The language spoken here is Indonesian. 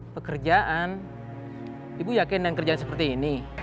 pekerjaan ibu yakin dengan kerjaan seperti ini